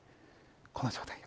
この状態で。